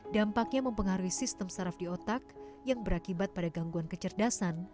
dampaknya mempengaruhi sistem saraf di otak yang berakibat pada gangguan kecerdasan